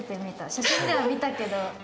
写真では見たけど。